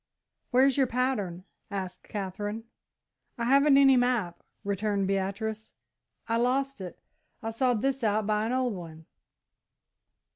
"Where's your pattern," asked Katherine. "I haven't any map," returned Beatrice; "I lost it. I sawed this out by an old one."